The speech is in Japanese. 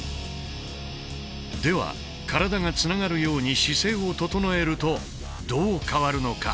では体がつながるように姿勢を整えるとどう変わるのか？